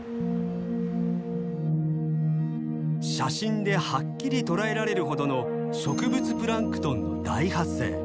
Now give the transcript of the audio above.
写真ではっきり捉えられるほどの植物プランクトンの大発生。